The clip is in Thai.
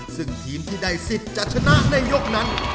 ซึ่งทีมที่ได้สิทธิ์จะชนะในยกนั้น